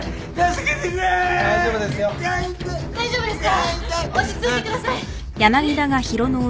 大丈夫です